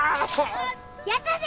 やったぜ！